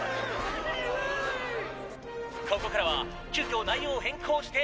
「ここからは急きょ内容を変更してお送りします。